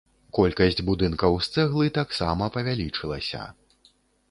Колькасць будынкаў з цэглы таксама павялічылася.